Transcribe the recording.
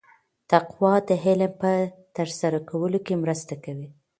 تقوا د علم په ترلاسه کولو کې مرسته کوي.